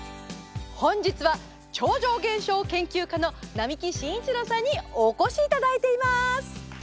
本日は超常現象研究家の並木伸一郎さんにおこしいただいています。